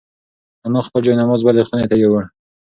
انا خپل جاینماز بلې خونې ته یووړ.